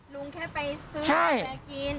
ลุงแค่ไปซื้อกาแฟกิน